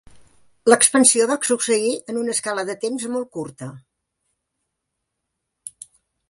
L'expansió va succeir en una escala de temps molt curta.